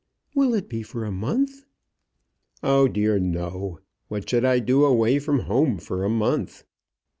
"Will it be for a month?" "Oh dear, no! what should I do away from home for a month?"